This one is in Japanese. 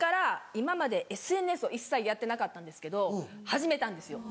今までＳＮＳを一切やってなかったんですけど始めたんですよ